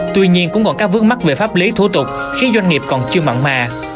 tuy nhiên cũng còn các vước mắt về pháp lý thủ tục khi doanh nghiệp còn chưa mặn mà